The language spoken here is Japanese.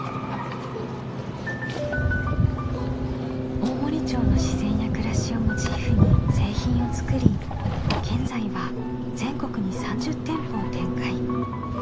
大森町の自然や暮らしをモチーフに製品を作り現在は全国に３０店舗を展開。